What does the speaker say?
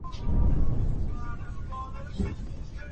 Se niega a ser operada.